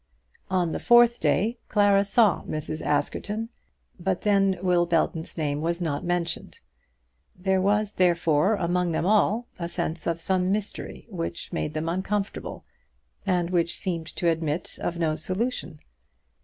On the fourth day Clara saw Mrs. Askerton, but then Will Belton's name was not mentioned. There was therefore, among them all, a sense of some mystery which made them uncomfortable, and which seemed to admit of no solution.